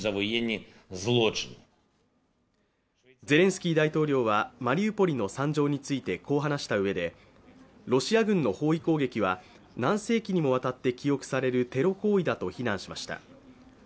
ゼレンスキー大統領はマリウポリの惨状についてこう話したうえでロシア軍の包囲攻撃は、何世紀にも渡って記憶されるテロ行為だと非難しました。